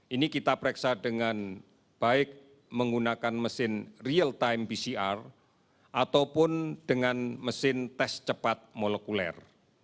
ini kita pereksa dengan baik menggunakan mesin real time pcr ataupun dengan mesin tes cepat molekuler